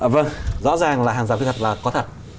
vâng rõ ràng là hàng rào kỹ thuật là có thật